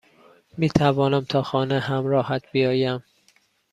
میتوانم تا خانه همراهت بیایم؟